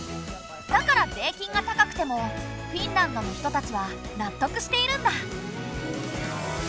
だから税金が高くてもフィンランドの人たちは納得しているんだ。